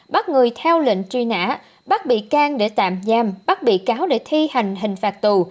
bắt người theo lệnh truy nã bắt bị can để tạm giam bắt bị cáo để thi hành hình phạt tù